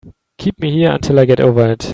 Keep me here until I get over it.